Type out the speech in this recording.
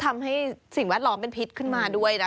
ทำให้สิ่งแวดล้อมเป็นพิษขึ้นมาด้วยนะ